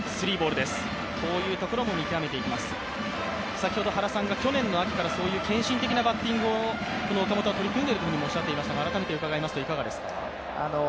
先ほど原さんが去年の秋から献身的なバッティングを岡本は取り組んでいるともおっしゃっていましたが、改めて伺いますが、いかがですか？